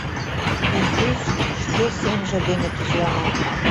Пӱртӱс шке семже дене тӱзлана.